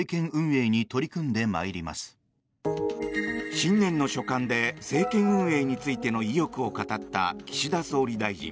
新年の所感で政権運営についての意欲を語った岸田総理大臣。